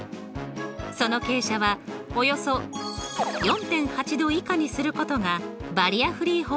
その傾斜はおよそ４．８°以下にすることがバリアフリー法で定められています。